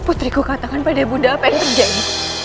putriku katakan pada bunda apa yang terjadi